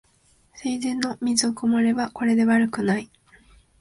水道の水もこれはこれで悪くない